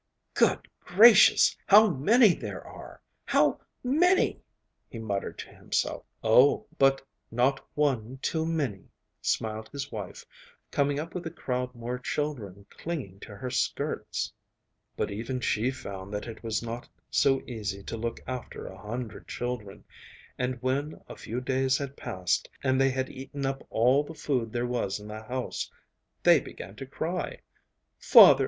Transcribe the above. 'Good gracious! how many there are! how many!' he muttered to himself. 'Oh, but not one too many,' smiled his wife, coming up with a crowd more children clinging to her skirts. But even she found that it was not so easy to look after a hundred children, and when a few days had passed and they had eaten up all the food there was in the house, they began to cry, 'Father!